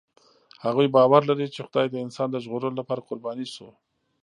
هغوی باور لري، چې خدای د انسان د ژغورلو لپاره قرباني شو.